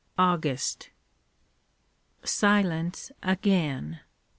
August Silence again.